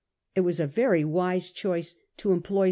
It was a very wise choice to employ 1838.